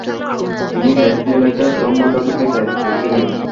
তিনি ব্যাটলি এলাকায় ধর্মযাজকের দায়িত্বে ছিলেন।